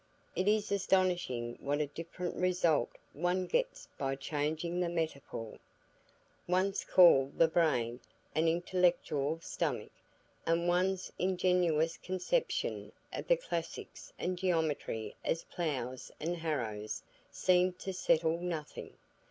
It is astonishing what a different result one gets by changing the metaphor! Once call the brain an intellectual stomach, and one's ingenious conception of the classics and geometry as ploughs and harrows seems to settle nothing.